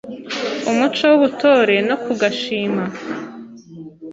umuco w’ubutore no kugashima;